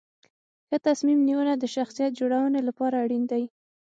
ښه تصمیم نیونه د شخصیت جوړونې لپاره اړین دي.